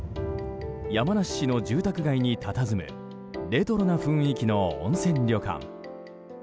山梨市の住宅街にたたずむレトロな雰囲気の温泉旅館。